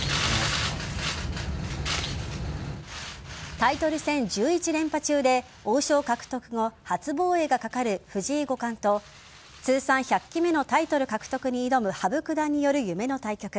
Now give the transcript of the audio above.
タイトル戦１１連覇中で王将獲得後初防衛がかかる藤井五冠と通算１００期目のタイトル獲得に挑む羽生九段による夢の対局。